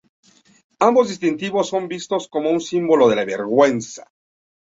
Ambos distintivos son vistos como un símbolo de la vergüenza.